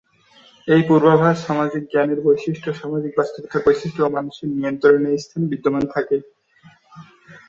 এই পূর্বাভাস সামাজিক জ্ঞানের বৈশিষ্ট, সামাজিক বাস্তবতার বৈশিষ্ট, ও মানুষের নিয়ন্ত্রণের স্থানে বিদ্যমান থাকে।